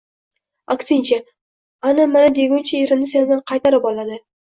Aksincha, ana-mana deguncha, erini sendan qaytarib oladi